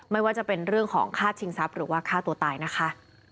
ไม่ว่าจะเป็นเรื่องของฆ่าชิงทรัพย์หรือว่าฆ่าตัวตายนะคะ